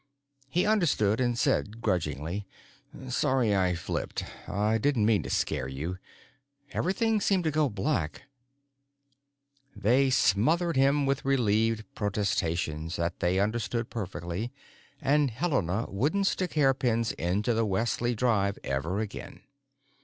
He understood and said grudgingly, "Sorry I flipped. I didn't mean to scare you. Everything seemed to go black——" They smothered him with relieved protestations that they understood perfectly and Helena wouldn't stick hairpins into the Wesley Drive ever again.